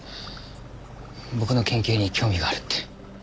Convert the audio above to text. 僕の研究に興味があるって。